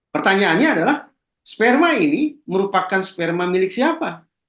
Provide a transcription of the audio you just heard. pertanyaannya adalah sperma ini merupakan sperma milik siapa